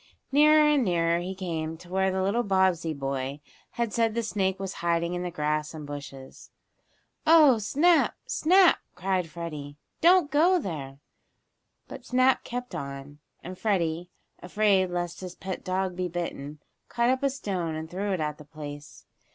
Nearer and nearer he came to where the little Bobbsey boy had said the snake was hiding in the grass and bushes. "Oh, Snap! Snap!" cried Freddie. "Don't go there!" But Snap kept on, and Freddie, afraid lest his pet dog be bitten, caught up a stone and threw it at the place.